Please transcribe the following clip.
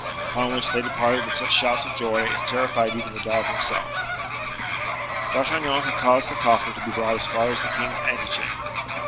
Upon which they departed with such shouts of joy as terrified even the dog himself. D'Artagnan had caused the coffer to be brought as far as the king's ante chamber.